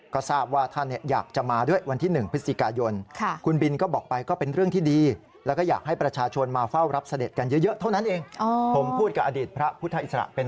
ก็ทราบว่าท่านอยากจะมาด้วยวันที่๑พฤศจิกายน